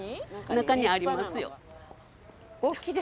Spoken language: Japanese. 中にありますよ。